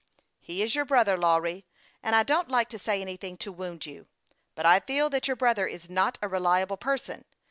" He is your brother, Lawry, and I don't like to say anything to wound you ; but I feel that your brother is not a reliable person.